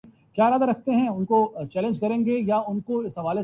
مسلمان رہ گئے تھے۔